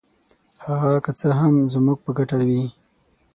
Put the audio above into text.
هغه که څه هم زموږ په ګټه وي.